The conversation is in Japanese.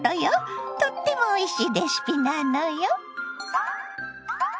とってもおいしいレシピなのよ。